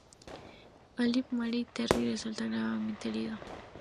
Olive muere y Terry resulta gravemente herido.